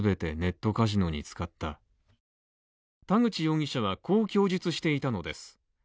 田口容疑者はこう供述していたのです。